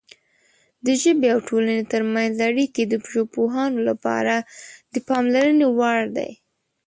د ژبې او ټولنې ترمنځ اړیکې د ژبپوهانو لپاره د پاملرنې وړ دي.